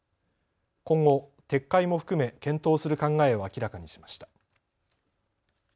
今後、撤回も含め検討する考えを明らかにしました。